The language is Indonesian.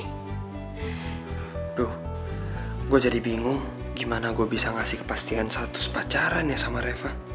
gue jadi bingung gimana gue bisa ngasih kepastian status pacaran ya sama reva